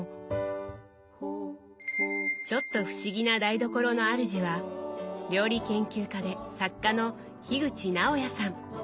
ちょっと不思議な台所のあるじは料理研究家で作家の口直哉さん。